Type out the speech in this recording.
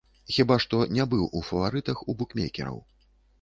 Хіба што не быў у фаварытах у букмекераў.